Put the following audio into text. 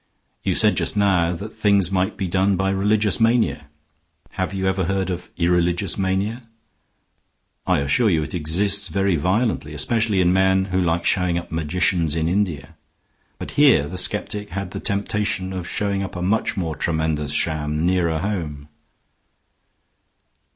You said just now that things might be done by religious mania. Have you ever heard of irreligious mania? I assure you it exists very violently, especially in men who like showing up magicians in India. But here the skeptic had the temptation of showing up a much more tremendous sham nearer home."